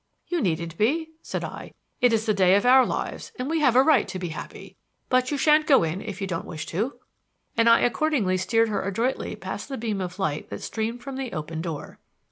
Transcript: "You needn't be," said I. "It is the day of our lives and we have a right to be happy. But you shan't go in, if you don't wish to," and I accordingly steered her adroitly past the beam of light that streamed from the open door.